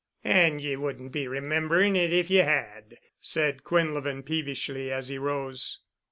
"And ye wouldn't be remembering it if ye had," said Quinlevin peevishly as he rose.